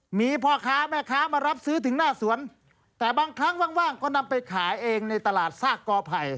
มีพ่อค้าแม่ค้ามารับซื้อถึงหน้าสวนแต่บางครั้งว่างก็นำไปขายเองในตลาดซากกอไผ่